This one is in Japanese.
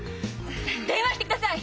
電話してください！